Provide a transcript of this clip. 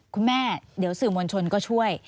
คุณแม่เดี๋ยวสื่อมวลชนก็ช่วย